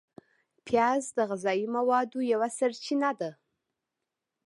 پیاز د غذایي موادو یوه سرچینه ده